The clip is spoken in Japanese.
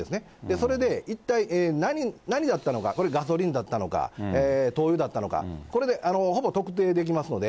それで一体何だったのか、これ、ガソリンだったのか、灯油だったのか、これでほぼ特定できますので。